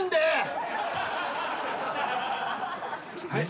はい？